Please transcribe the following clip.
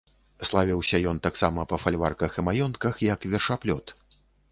Славіўся ён таксама па фальварках і маёнтках як вершаплёт.